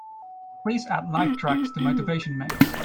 Please add Lifetracks to motivation mix